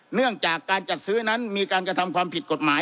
เนื่องจากการจัดซื้อนั้นมีการกระทำความผิดกฎหมาย